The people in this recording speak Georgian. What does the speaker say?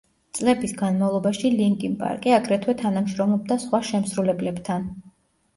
წლების განმავლობაში ლინკინ პარკი აგრეთვე თანამშრომლობდა სხვა შემსრულებლებთან.